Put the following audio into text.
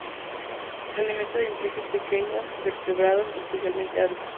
Se alimenta de insectos, pequeños vertebrados, especialmente aves.